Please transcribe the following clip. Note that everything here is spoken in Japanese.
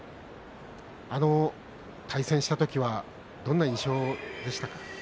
対戦した時はどんな印象でしたか？